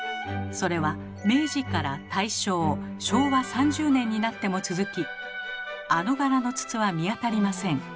それは明治から大正昭和３０年になっても続きあの柄の筒は見当たりません。